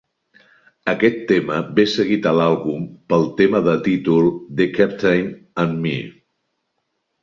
Aquest tema ve seguit a l'àlbum pel tema de títol, "The Captain and Me".